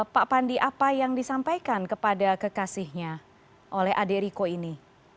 pak pandi apa yang disampaikan kepada kekasihnya oleh adik riko ini